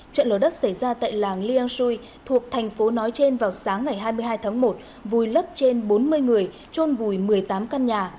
trận lở đất xảy ra tại làng liangsui thuộc thành phố nói trên vào sáng ngày hai mươi hai tháng một vùi lấp trên bốn mươi người trôn vùi một mươi tám căn nhà